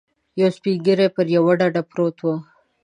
یو سپین ږیری پر یوه ډډه پروت و.